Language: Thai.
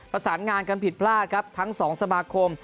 ประสานงานกันผิดพลาดครับทั้งสองสมาคม